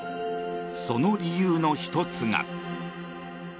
その理由の１つが。